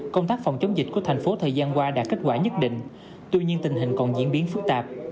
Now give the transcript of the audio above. công tác phòng chống dịch của thành phố thời gian qua đã kết quả nhất định tuy nhiên tình hình còn diễn biến phức tạp